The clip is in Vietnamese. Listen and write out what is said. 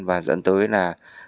và dẫn tới là